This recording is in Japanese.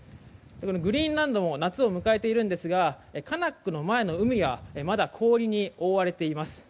グリーンランドも夏を迎えているんですがカナックの前の海はまだ氷に覆われています。